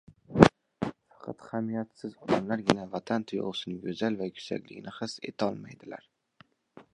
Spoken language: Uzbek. Faqat hamiyatsiz odamlargina vatan tuyg‘usining go‘zal va yuksakligini his etolmaydilar.